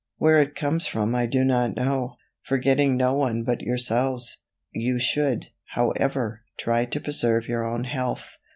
Where it comes from I do not know forgetting no one but yourselves. You should, however, try to preserve your own health."